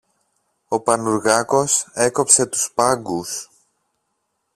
Ο Πανουργάκος έκοψε τους σπάγκους